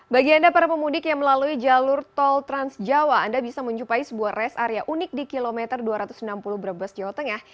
bagi anda para pemudik yang melalui jalur tol trans jawa anda bisa menjumpai sebuah rest area unik di kilometer dua ratus enam puluh brebes jawa tengah